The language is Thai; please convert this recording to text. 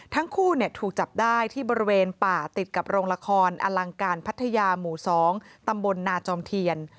ทั้งคู่ถูกจับได้ที่บริเวณป่าติดกับโรงละครอลังการพัทยาหมู่๒ตำบลนาจอมเทียน